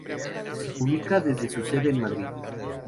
Se publica desde su sede en Madrid.